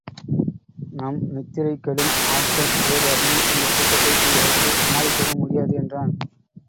நம் நித்திரை கெடும் ஆட்கள் வேறு அதிகம் இந்தக் கூட்டத்தை இங்கு வைத்துச் சமாளிக்கவும் முடியாது என்றான்.